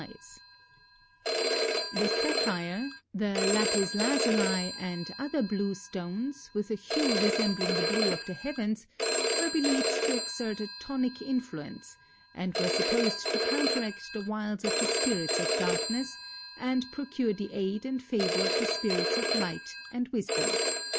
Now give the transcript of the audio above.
] The sapphire, the lapis lazuli, and other blue stones, with a hue resembling the blue of the heavens, were believed to exert a tonic influence, and were supposed to counteract the wiles of the spirits of darkness and procure the aid and favor of the spirits of light and wisdom.